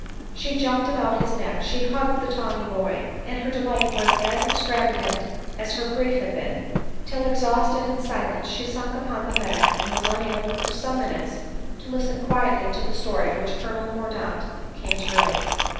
She jumped about his neck, she hugged the tawny boy ; and her delight was as extravagant as her grief had been ; till exhausted and silent she sunk upon the bed and was unable for some minutes to listen quietly to the story which Colonel Mordaunt came to relate.